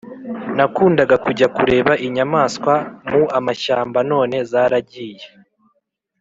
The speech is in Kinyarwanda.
Nakundaga kujya kureba inyamaswa mu amashyamba none zaragiye